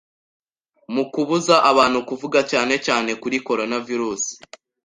mu kubuza abantu kuvuga, cyane cyane kuri coronavirus